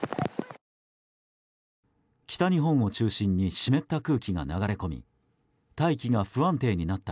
北日本を中心に湿った空気が流れ込み大気が不安定になった